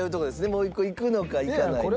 もう１個いくのかいかないのか。